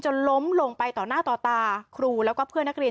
ล้มลงไปต่อหน้าต่อตาครูแล้วก็เพื่อนนักเรียน